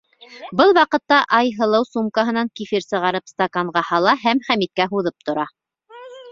Был ваҡытта Айһылыу сумкаһынан кефир сығарып стаканға һала һәм Хәмиткә һуҙып тора.